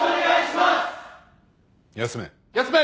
休め。